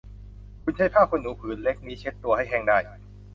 คุณใช้ผ้าขนหนูผืนเล็กนี้เช็ดตัวให้แห้งได้